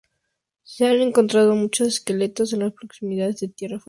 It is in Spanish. Se han encontrado muchos esqueletos en las proximidades de Tierra del Fuego.